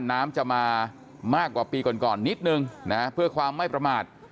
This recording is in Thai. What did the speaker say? น้ำจะมามากกว่าปีก่อนก่อนนิดนึงนะเพื่อความไม่ประมาท